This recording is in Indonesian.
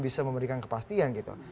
bisa memberikan kepastian gitu